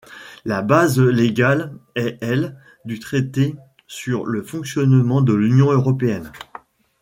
La base légale est l' du traité sur le fonctionnement de l'Union européenne.